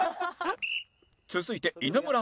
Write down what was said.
続いて稲村亜美